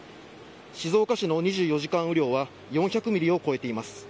静岡市の２４時間雨量は４００ｍｍを超えています。